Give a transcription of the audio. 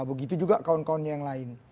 begitu juga kawan kawan yang lain